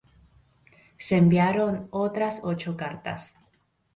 Se enviaron otras ocho cartas.